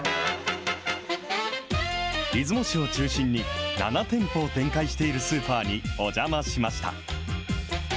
出雲市を中心に、７店舗を展開しているスーパーにお邪魔しました。